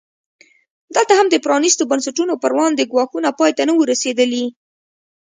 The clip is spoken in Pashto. دلته هم د پرانیستو بنسټونو پر وړاندې ګواښونه پای ته نه وو رسېدلي.